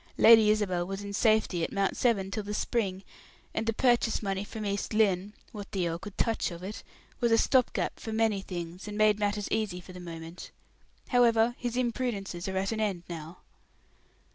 "Lady Isabel was in safety at Mount Severn till the spring, and the purchase money from East Lynne what the earl could touch of it was a stop gap for many things, and made matters easy for the moment. However, his imprudences are at an end now."